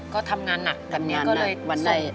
ก็ทำงานหนักก็เลยส่งผล